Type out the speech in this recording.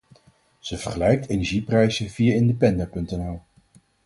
Ze vergelijkt energieprijzen via Independer.nl.